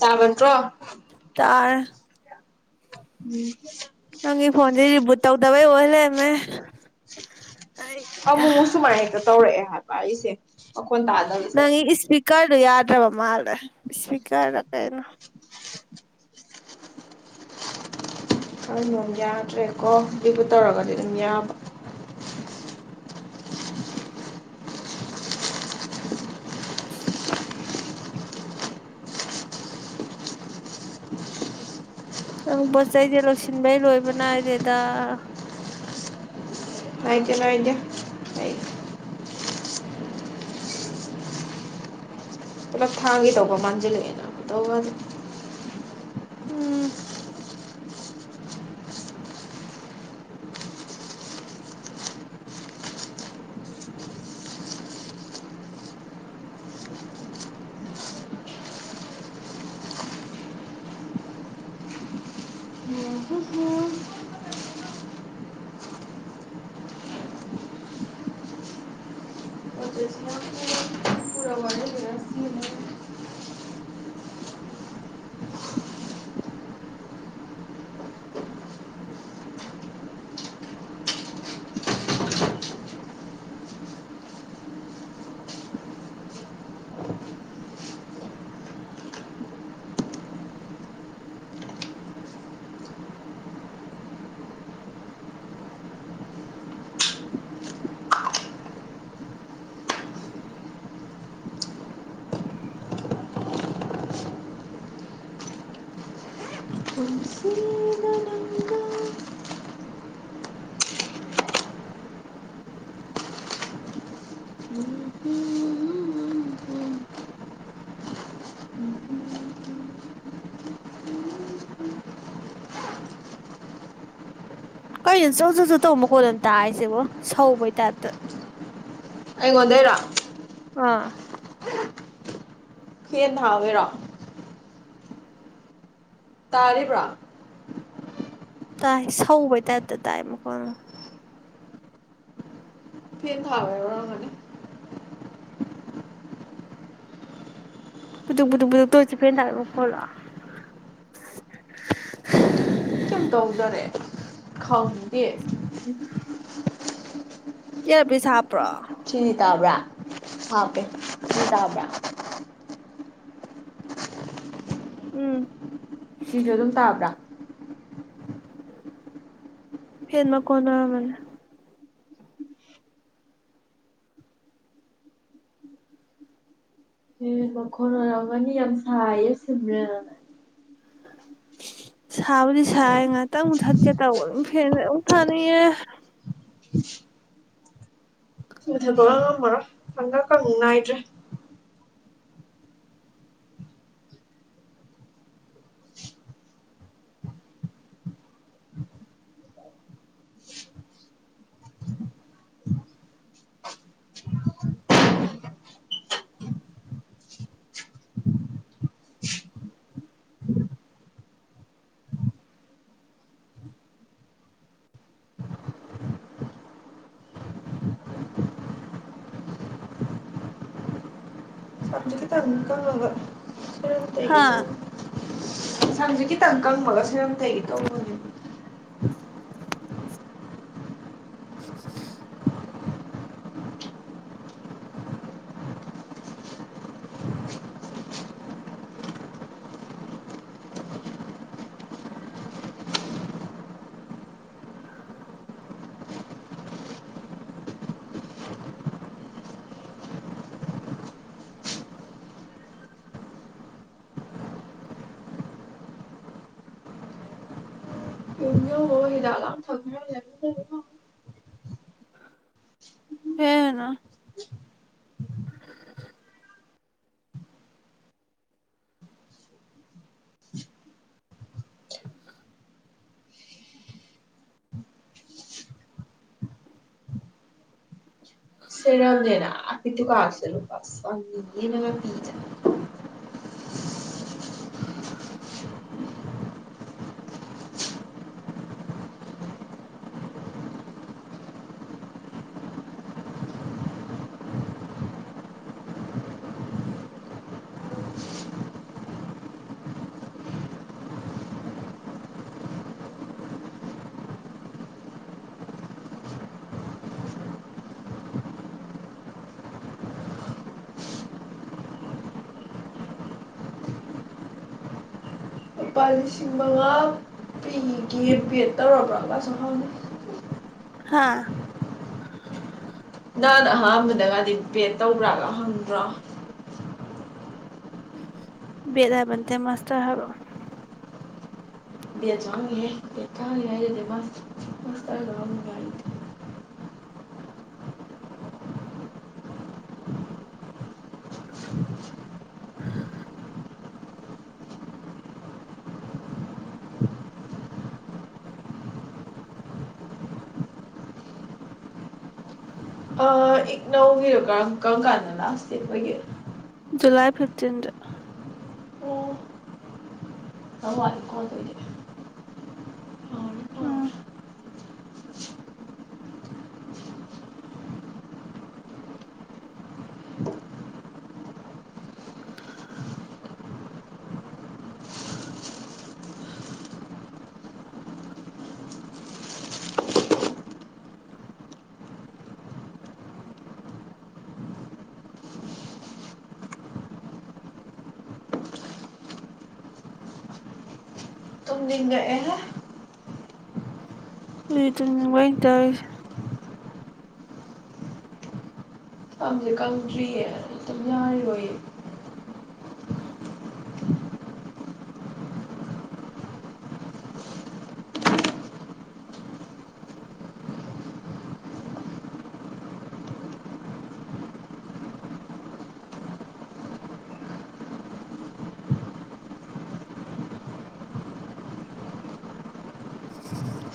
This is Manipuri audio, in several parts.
ꯇꯥꯕꯟ꯭ꯔꯣ ꯇꯥꯔꯦ ꯎꯝ ꯅꯪ ꯐꯣꯟꯗꯦꯔꯤ ꯇ ꯗꯕꯏ ꯋꯥꯣꯂꯦ ꯃꯃꯦ ꯑꯃꯨꯁꯨꯃꯥꯏꯗ ꯇꯧꯔꯛꯦ ꯍꯥ ꯄꯥꯏꯁꯦ ꯑꯣ ꯀꯣꯟ ꯇ ꯑꯗꯗꯤ ꯁꯔ ꯀꯔ ꯌꯥꯗ꯭ꯔꯕ ꯃꯥꯜ ꯁ꯭ꯀꯥꯂ ꯀꯦꯩꯅ ꯀꯔ ꯌꯥꯗ꯭ꯔꯦꯀꯣ ꯄ ꯇꯧꯔꯒꯗꯤ ꯑꯗꯨꯝ ꯌꯥꯕ [unintelligible] [inaudible] ꯅꯪ ꯄꯣꯠ ꯆꯩꯁꯦ ꯂꯣꯏꯁꯤꯟꯕꯩ ꯂꯣꯏꯕ ꯅꯥꯏꯗꯦꯗ ꯂꯗꯦ ꯂꯥꯏꯗꯦ ꯂꯩ ꯄꯨꯂꯞ ꯊꯥꯡꯒꯦ ꯇꯧꯕ ꯃꯥꯟꯁꯤꯜꯂꯛꯑꯦꯅ ꯇ ꯎꯝ ꯄꯨꯟꯁꯤꯗ ꯅꯪꯒ ꯀꯩꯅꯣ ꯆꯧ ꯆꯧꯁꯨ ꯇꯧꯕꯃ ꯈꯣꯠꯅꯅ ꯇꯥꯔꯤꯁꯦꯕꯣ ꯁꯧꯕꯩ ꯇꯥꯏꯞꯇ ꯑꯩꯉꯣꯟꯗꯦꯔ ꯑꯥ ꯍꯦ ꯊꯋꯦꯔꯣ ꯇꯥꯔꯦꯕ꯭ꯔꯥ ꯇꯥꯏ ꯁꯧꯕꯩ ꯇꯥꯏꯞꯇ ꯇꯥꯏ ꯃꯈꯣꯟꯅ ꯐꯦꯟ ꯊꯥꯕꯔ ꯃꯥꯅꯤ ꯄꯨꯊ ꯄꯨꯊ ꯄꯨ ꯇꯧꯆ ꯐꯦꯟꯗꯥꯔ ꯃ ꯐꯂ ꯀꯩ ꯇꯧꯗꯔꯦ ꯈꯥꯎꯅꯤ ꯍ ꯎꯝ ꯌꯥ ꯄ ꯁꯥ ꯁꯤꯅꯤ ꯇꯥꯕ꯭ꯔꯥ ꯍꯥꯀꯦ ꯗꯥꯕ ꯎꯝ ꯁꯤꯁꯨ ꯑꯗꯨꯝ ꯇꯥꯕ꯭ꯔꯥ ꯍꯃ ꯀꯅ ꯃꯅꯦ ꯃꯈꯣꯒꯅꯤ ꯌꯥꯝ ꯁꯥꯏꯌꯦ ꯁꯤꯅ ꯁꯥꯕꯨꯗꯤ ꯁꯥꯏ ꯉꯥꯛꯇꯪꯕꯨꯨꯛ ꯊꯠꯀꯦ ꯇꯧꯕ ꯑꯗꯨꯝ ꯐꯦꯟ ꯑꯃꯛ ꯊꯥꯅꯩꯌꯦꯦ ꯆꯨꯊꯕꯒ ꯉꯝꯃꯔꯣꯏ ꯄꯪꯀꯛꯀꯅꯨꯡ ꯏꯗ꯭ꯔꯦ ꯏꯕ ꯁ ꯇꯩꯒ ꯍꯥ ꯇ ꯏꯟꯁꯪꯁꯦ ꯈꯤꯇꯪ ꯀꯪꯕꯒ ꯁꯤꯔꯝꯇꯩꯒꯤ ꯇꯧꯕꯅꯦꯕ ꯍꯗꯝ ꯊꯪ꯭ꯔ ꯍꯦꯅ ꯎ ꯁꯤꯔꯩꯅꯄꯤꯠꯇ ꯀꯂꯁ ꯄꯤꯖ ꯂꯨꯄꯥ ꯂꯤꯁꯤꯡ ꯃꯉꯥ ꯄꯤꯒꯦ ꯄꯦꯗ ꯇꯧꯔꯕ꯭ꯔꯥꯒꯁꯨ ꯍꯪꯉꯤ ꯍꯥꯥ ꯅꯍꯥꯟꯅ ꯑꯍꯥꯟꯕꯗꯒꯗꯤ ꯄꯦꯠ ꯇꯧꯕ꯭ꯔꯥꯒ ꯍꯪꯕ꯭ꯔꯣ ꯕꯦꯗꯥꯕꯟꯇꯦ ꯃꯁꯇꯔ ꯍꯥꯏꯕ ꯗꯤ ꯆꯥꯡꯦ ꯃꯁ ꯔꯏ ꯑ ꯏꯛꯅꯧꯒꯤꯗꯣ ꯀꯔꯝ ꯀꯔꯝ ꯀꯥꯟꯗ ꯂꯥꯛꯁꯇꯦ ꯑꯩꯈꯣꯏꯒꯤ ꯖꯨꯂꯥꯏ ꯐꯤꯞꯇꯤꯟꯠ ꯑ ꯑꯩꯀꯣꯗꯗꯦ ꯎꯝ ꯇꯗ ꯑꯦ ꯏꯇ ꯋꯥ ꯇꯁ ꯐꯝꯁꯦ ꯀꯪꯗ꯭ꯔꯤꯌꯦ ꯑꯩ ꯑꯗꯨꯝ ꯌꯥꯔꯣꯏꯌꯦ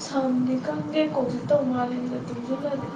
ꯁꯝꯗꯤ ꯈꯪꯗꯦ ꯀꯧꯁꯤꯠꯇꯧ ꯃꯥꯂꯁꯦ ꯇꯨꯡꯁꯤꯜꯂꯂꯦ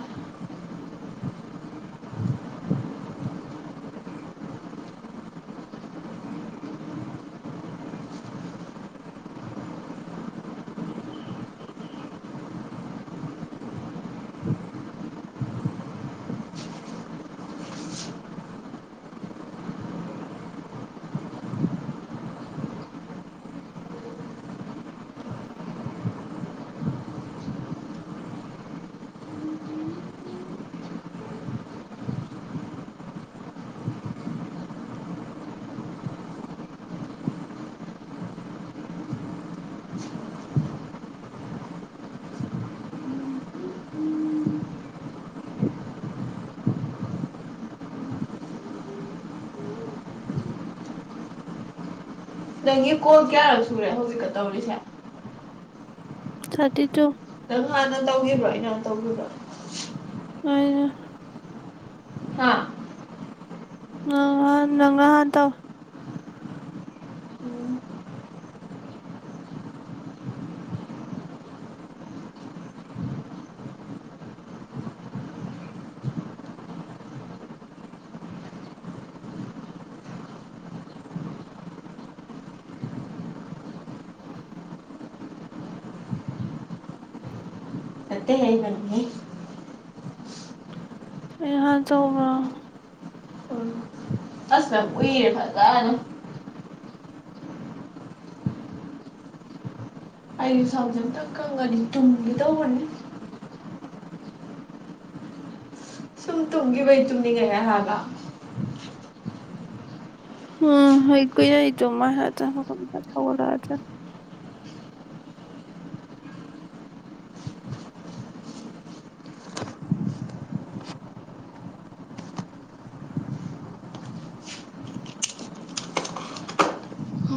ꯅꯪꯒꯤ ꯀꯣꯜ ꯀꯌꯥꯔꯛ ꯁꯨꯔꯦ ꯍꯧꯖꯤꯛꯀ ꯇꯧꯔꯤꯁꯦ ꯊꯥꯔꯇꯤ ꯇꯨ ꯅꯪ ꯍꯥꯟꯅ ꯇꯧꯈꯤꯕ꯭ꯔꯣ ꯑꯩꯅ ꯍꯥꯟ ꯇꯧꯈꯤꯕꯔ‌ꯣ ꯑꯩꯅ ꯍꯥ ꯅꯪ ꯅꯪꯅ ꯍꯥꯟ ꯇꯧꯋ‌ꯦ ꯎꯝ ꯅꯠꯇ‌ꯦ [unintelligible] ꯑꯩ ꯍꯥꯟ ꯇꯧꯕꯔ ꯑꯁ ꯃꯌꯝ ꯎꯏꯔ‌ꯦ ꯐꯖꯅ ꯑꯩꯗꯤ ꯁꯥꯎꯖ ꯑꯝꯇ ꯈꯪꯉꯗꯤ ꯇꯨꯝꯒ‌ꯦ ꯇꯧꯕꯅꯤ ꯁꯨꯝ ꯇꯨꯝꯒꯤꯕꯩ ꯇꯨꯝꯅꯤꯡꯉꯛꯑꯦ ꯍꯥꯏꯕ ꯎꯝ ꯑꯩ ꯀꯨꯏꯔ‌ꯦ ꯇꯨꯝꯕ [unintelligible]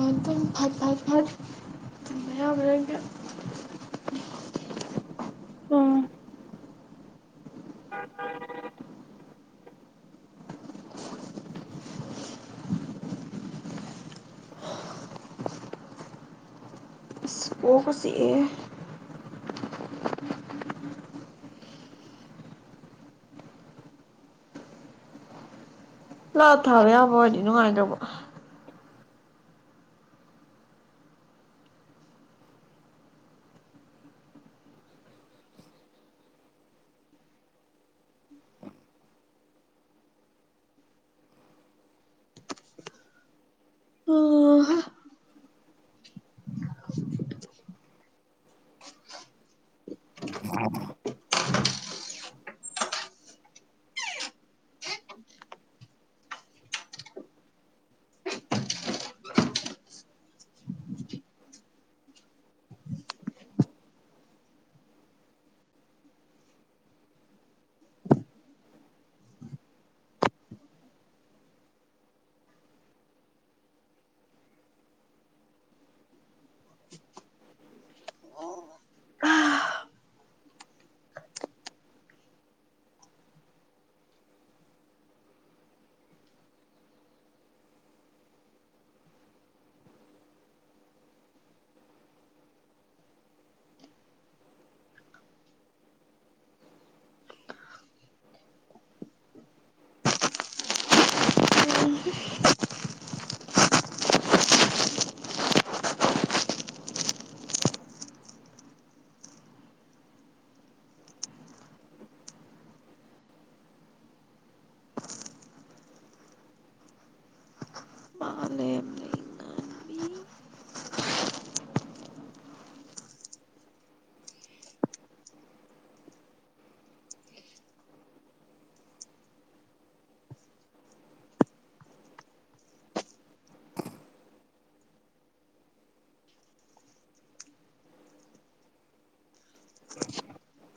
ꯑꯗꯨꯝ ꯐꯠ ꯐꯠ ꯐꯠ ꯇꯨꯝꯕ ꯌꯥꯕ꯭ꯔꯒ ꯎꯝ ꯀ‌ꯣꯛꯀ ꯆꯤꯛꯑꯦ ꯂꯥꯎꯠ ꯊꯥꯕ ꯌꯥꯕ ꯑ‌ꯣꯏꯗꯤ ꯅꯨꯡꯉꯥꯏꯗꯨꯕ ꯃꯥ ꯂꯩꯔꯝꯃꯦ ꯏꯃꯥꯟꯅꯕꯤ [unintelligible]